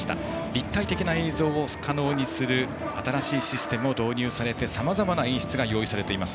立体的な映像を可能にする新しいシステムが導入されて、さまざまな演出が用意されています。